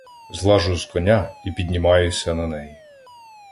Злажу з коня і піднімаюся на неї.